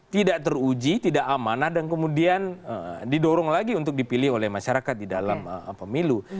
tidak teruji tidak amanah dan kemudian didorong lagi untuk dipilih oleh masyarakat di dalam pemilu